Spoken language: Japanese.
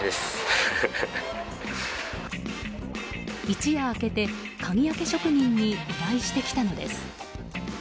一夜明けて鍵開け職人に依頼してきたのです。